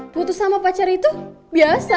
putus sama pacar itu biasa